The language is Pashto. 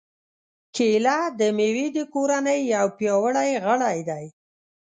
کېله د مېوې د کورنۍ یو پیاوړی غړی دی.